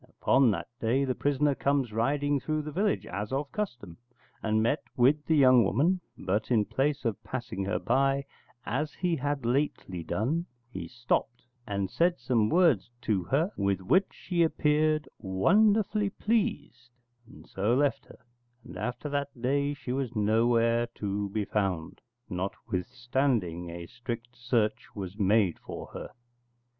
Upon that day the prisoner comes riding through the village, as of custom, and met with the young woman: but in place of passing her by, as he had lately done, he stopped, and said some words to her with which she appeared wonderfully pleased, and so left her; and after that day she was nowhere to be found, notwithstanding a strict search was made for her.